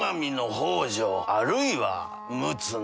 あるいは陸奥の。